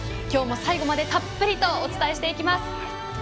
今日も最後までたっぷりとお伝えしていきます。